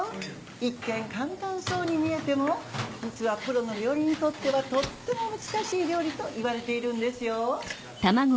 一見簡単そうに見えても実はプロの料理人にとってはとっても難しい料理といわれているんですよ。